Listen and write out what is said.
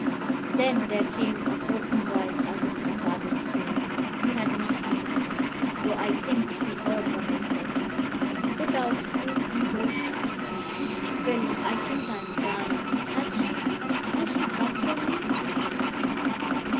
Then there came a broken voice out of my father's chair. He had not understood, though I think he heard what I said. He put out two feeble hands. "Phil I think I am dying has she has she come for me?" he said.